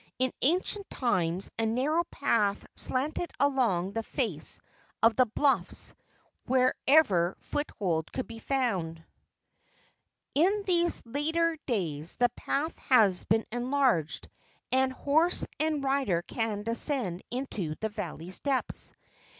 In ancient times a nar¬ row path slanted along the face of the bluffs wherever foothold could be found. In these later days the path has been enlarged, and horse and rider can descend into the valley's depths.